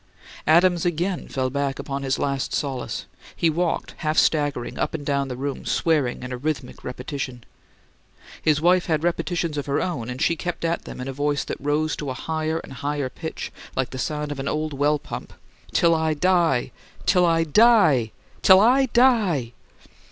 Adams again fell back upon his last solace: he walked, half staggering, up and down the room, swearing in a rhythmic repetition. His wife had repetitions of her own, and she kept at them in a voice that rose to a higher and higher pitch, like the sound of an old well pump. "Till I die! Till I die! Till I DIE!"